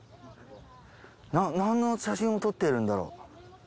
何の写真を撮ってるんだろう。